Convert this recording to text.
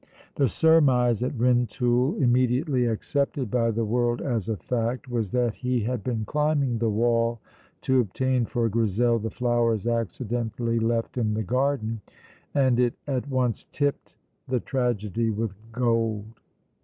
The surmise at Rintoul, immediately accepted by the world as a fact, was that he had been climbing the wall to obtain for Grizel the flowers accidentally left in the garden, and it at once tipped the tragedy with gold.